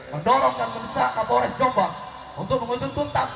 mendorong dan membesar polres jombang untuk mengusung tuntas